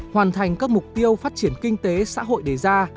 hoàn thành các mục tiêu phát triển kinh tế xã hội đề ra